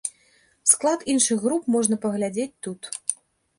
Склад іншых груп можна паглядзець тут.